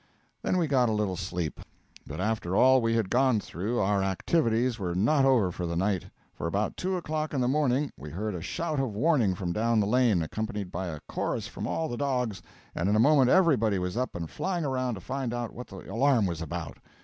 Then we got a little sleep. But after all we had gone through, our activities were not over for the night; for about two o'clock in the morning we heard a shout of warning from down the lane, accompanied by a chorus from all the dogs, and in a moment everybody was up and flying around to find out what the alarm was about.